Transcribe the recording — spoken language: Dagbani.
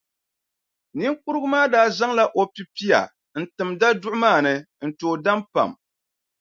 Niŋkurugu maa daa zaŋla o pipia n-tim daduɣu maa ni n- tooi daam pam.